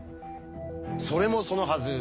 それもそのはず